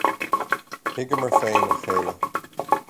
Thuigeamar féin a chéile.